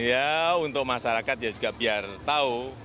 ya untuk masyarakat ya juga biar tahu